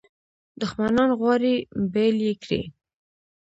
دښمنان غواړي بیل یې کړي.